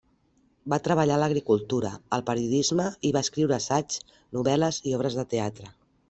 Va treballar a l'agricultura, al periodisme i va escriure assaigs, novel·les i obres de teatre.